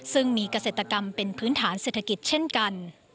ซึ่งมีเกษตรกรรมเป็นพื้นฐานเศรษฐกิจเช่นกัน